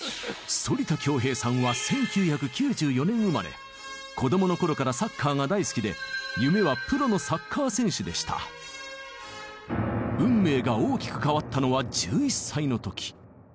反田恭平さんは子供の頃からサッカーが大好きで運命が大きく変わったのは１１歳の時。